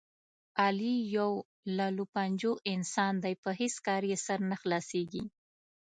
علي یو للوپنجو انسان دی، په هېڅ کار یې سر نه خلاصېږي.